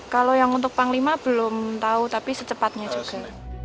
kalau yang untuk panglima belum tahu tapi secepatnya juga